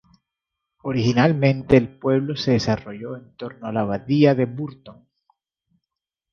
Originalmente el pueblo se desarrolló en torno a la Abadía de Burton.